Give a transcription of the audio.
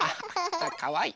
かわいい。